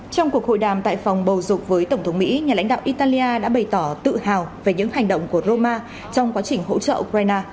trong cuộc hội đàm tại phòng bầu dục với tổng thống mỹ nhà lãnh đạo italia đã bày tỏ tự hào về những hành động của roma trong quá trình hỗ trợ ukraine